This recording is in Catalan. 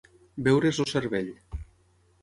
Beure's el cervell.